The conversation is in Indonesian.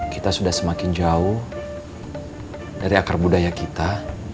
kita sudah semakin jauh dari akar budaya kita